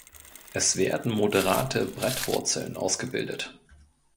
Es werden moderate Brettwurzeln ausgebildet.